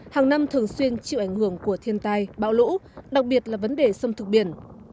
hàng năm thường xuyên chịu ảnh hưởng của thiên tai bão lũ đặc biệt là vấn đề sâm thực biển